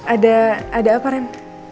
ada ada apa ren